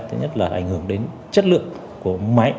thứ nhất là ảnh hưởng đến chất lượng của máy